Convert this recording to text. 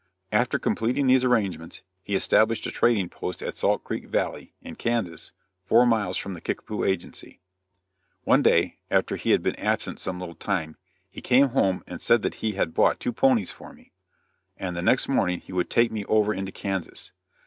After completing these arrangements, he established a trading post at Salt Creek Valley, in Kansas, four miles from the Kickapoo agency. One day, after he had been absent some little time, he came home and said that he had bought two ponies for me, and that next morning he would take me over into Kansas.